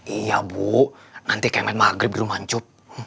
iya bu nanti kemet maghrib di rumah ncup